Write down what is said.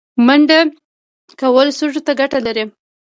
منډه کول سږو ته ګټه لري